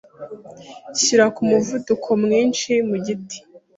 shyira ku muvuduko mwinshi mu giti.